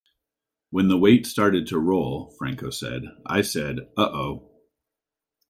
"When the weight started to roll", Franco said, "I said, 'Uh-oh.